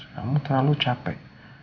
kamu terlalu capek